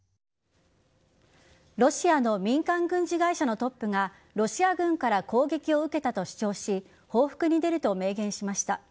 ロシアの民間軍事会社のトップがロシア軍から攻撃を受けたと主張し報復に出ると明言しました。